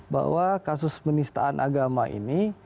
bahwa kasus penistaan agama ini